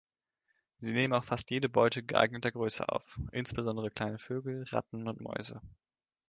Sie nehmen auch fast jede Beute geeigneter Größe auf, insbesondere kleine Vögel, Ratten und Mäuse.